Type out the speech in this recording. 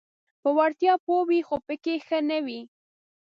په وړتیا پوه وي خو پکې ښه نه وي: